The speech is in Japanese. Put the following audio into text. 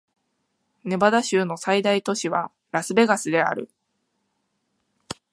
ネバダ州の最大都市はラスベガスである